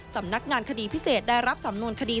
สำนักงานคดีพิเศษได้รับสำนวนคดี